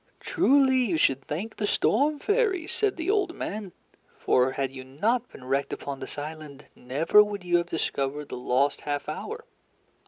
"Truly, you should thank the storm fairies," said the old man; "for had you not been wrecked upon this island, never would you have discovered the lost half hour.